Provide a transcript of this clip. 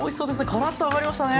カラッと揚がりましたね。